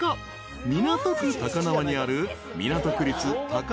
港区高輪にある］